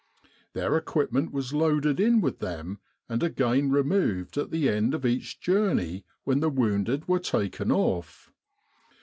Their equipment was loaded in with them and again removed at the end of each journey when the wounded were taken off.